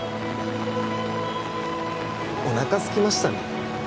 おなかすきましたね